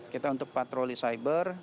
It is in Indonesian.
kita untuk patroli cyber